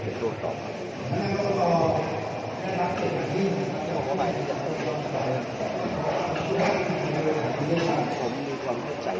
ซึ่งพูดว่ามันจะมากลงแค่ไหนภายแต่นังหนุ่มพันธนาจิน